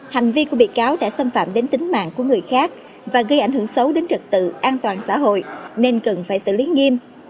hành vi của bị cáo đã xâm phạm đến tính mạng của người khác và gây ảnh hưởng xấu đến trực tự an toàn xã hội nên cần phải xử lý nghiêm